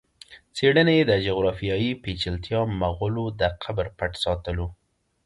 څېړني یې د جغرافیایي پېچلتیا، مغولو د قبر پټ ساتلو